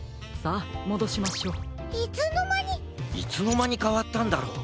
いつのまにかわったんだろう。